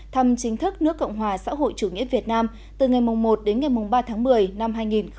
thăm chính thức nước cộng hòa xã hội chủ nghĩa việt nam từ ngày một đến ngày ba tháng một mươi năm hai nghìn một mươi chín